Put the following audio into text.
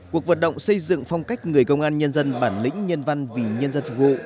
cuộc vận động xây dựng phong cách người công an nhân dân bản lĩnh nhân văn vì nhân dân phục vụ